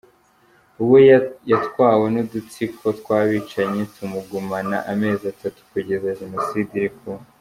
We yatwawe n’udutsiko tw’abicanyi tumugumana amezi atatu kugeza Jenoside iri kuba.